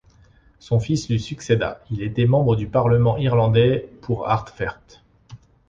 Son fils lui succéda, il était membre du Parlement irlandais pour Ardfert.